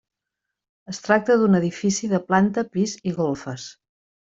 Es tracta d'un edifici de planta, pis i golfes.